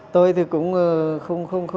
tôi thì cũng không